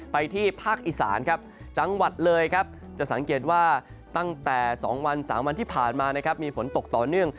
ที่ภาคอีสานครับจังหวัดเลยครับจะสังเกตว่าตั้งแต่๒วัน๓วันที่ผ่านมานะครับมีฝนตกต่อเนื่อง